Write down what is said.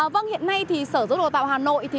vâng hiện nay thì sở dân đồ tạo hà nội